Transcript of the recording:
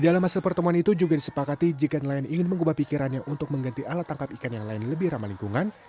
dalam hasil pertemuan itu juga disepakati jika nelayan ingin mengubah pikirannya untuk mengganti alat tangkap ikan yang lain lebih ramah lingkungan